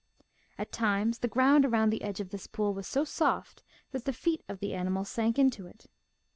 At times the ground around the edge of this pool was so soft that the feet of the animals sank into it.